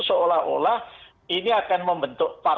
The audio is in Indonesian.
seolah olah ini akan membentuk partai